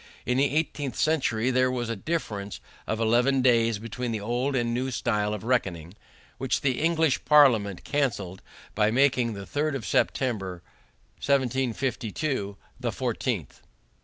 In the eighteenth century there was a difference of eleven days between the old and the new style of reckoning, which the English Parliament canceled by making the 3rd of September, 1752, the 14th.